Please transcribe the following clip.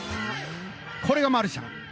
これがマルシャン！